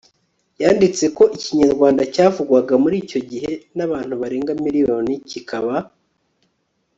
yanditsemo ko ikinyarwanda cyavugwaga muri icyo gihe n'abantu barenga miriyoni kikaba